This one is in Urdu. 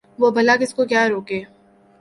وہ بلا کس کو کیا روک گے